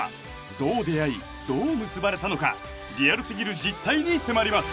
どう出会いどう結ばれたのかリアルすぎる実態に迫ります